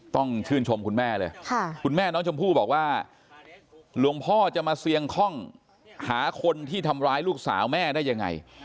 ต้องชื่นชมคุณแม่เลยคุณแม่น้องชมพู่บอกว่าหลวงพ่อจะมาเสี่ยงคล่องหาคนที่ทำร้ายลูกสาวแม่ได้ยังไง